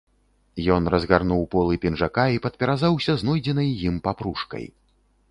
Ён разгарнуў полы пінжака і падперазаўся знойдзенай ім папружкай.